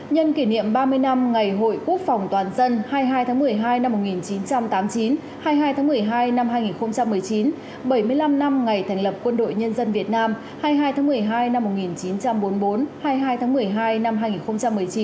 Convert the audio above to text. nhân kỷ niệm ba mươi năm ngày hội quốc phòng toàn dân hai mươi hai tháng một mươi hai năm một nghìn chín trăm tám mươi chín hai mươi hai tháng một mươi hai năm hai nghìn một mươi chín bảy mươi năm năm ngày thành lập quân đội nhân dân việt nam hai mươi hai tháng một mươi hai năm một nghìn chín trăm bốn mươi bốn hai mươi hai tháng một mươi hai năm hai nghìn một mươi chín